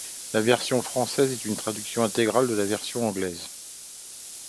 La version française est une traduction intégrale de la version anglaise.